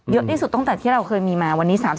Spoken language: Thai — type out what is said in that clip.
เยอะที่สุดตั้งแต่ที่เราเคยมีมาวันนี้